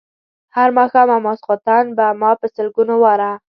هر ماښام او ماخوستن به ما په سلګونو واره.